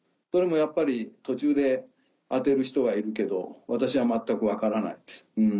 それもやっぱり途中で当てる人はいるけど私は全く分からない。